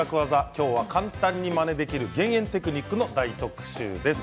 今日は、簡単にまねできる減塩テクニックの大特集です。